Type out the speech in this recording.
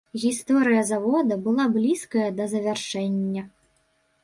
Гісторыя завода была блізкая да завяршэння.